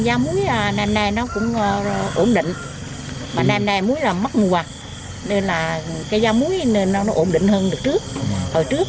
giá muối ngày hôm nay nó cũng ổn định mà ngày hôm nay muối là mắc mùa nên là cái giá muối nên nó ổn định hơn được trước